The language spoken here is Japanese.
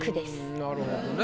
なるほどね。